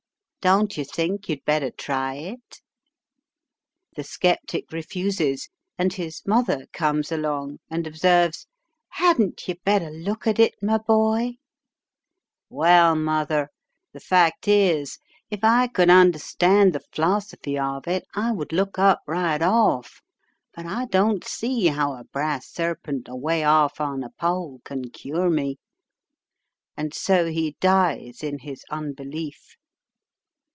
Don't you think you'd better try it?" The sceptic refuses, and his mother "comes along," and observes, "Hadn't you better look at it, my boy?" "Well, mother, the fact is, if I could understand the f'losophy of it I would look up right off; but I don't see how a brass serpent away off on a pole can cure me." And so he dies in his unbelief.